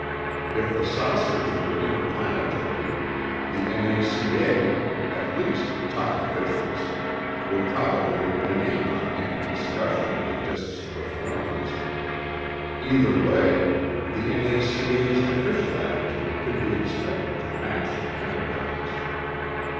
If the saucers were interplanetary, the N.A.C.A.—at least top officials—would probably have been in on any discussion of the disks' performance. Either way, the N.A.C.A.'s official attitude could be expected to match the Pentagon's.